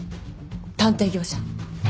探偵業者。